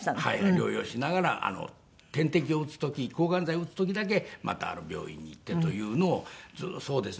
療養しながら点滴を打つ時抗がん剤を打つ時だけまた病院に行ってというのをそうですね。